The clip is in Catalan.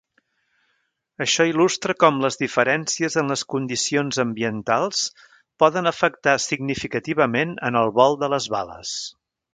Això il·lustra com les diferències en les condicions ambientals poden afectar significativament en el vol de les bales.